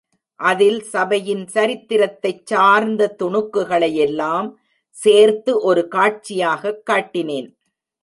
அதில் சபையின் சரித்திரத்தைச் சார்ந்த துணுக்குகளை யெல்லாம் சேர்த்து ஒரு காட்சியாகக் காட்டினேன்.